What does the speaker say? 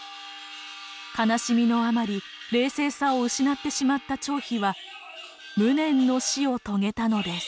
悲しみのあまり冷静さを失ってしまった張飛は無念の死を遂げたのです。